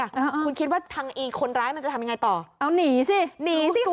อ่าคุณคิดว่าทางอีคนร้ายมันจะทำยังไงต่อเอาหนีสิหนีสิคุณ